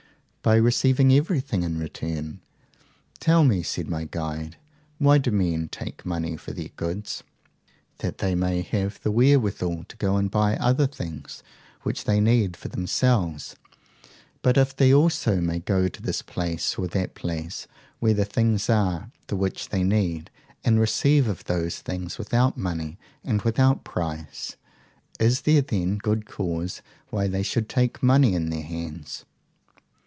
By receiving everything in return. Tell me, said my guide, why do men take money for their goods? That they may have wherewithal to go and buy other things which they need for themselves. But if they also may go to this place or that place where the things are the which they need, and receive of those things without money and without price, is there then good cause why they should take money in their hands?